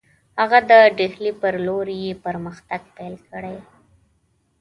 هغه د ډهلي پر لور یې پرمختګ پیل کړی.